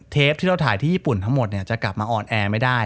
ที่เราถ่ายที่ญี่ปุ่นทั้งหมดจะกลับมาออนแอร์ไม่ได้